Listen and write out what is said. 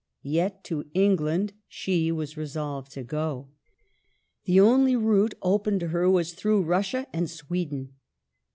Yet to England she was resolved to go. The only route open to her was through Russia and Sweden.